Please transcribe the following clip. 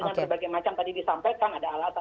dengan sebagian macam tadi disampaikan ada alasan ada alasan